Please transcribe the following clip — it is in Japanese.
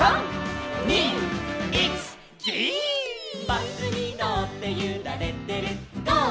「バスにのってゆられてるゴー！